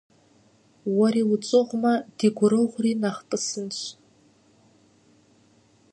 Уэри утщӀыгъумэ, ди гурыгъури нэхъ тӀысынщ.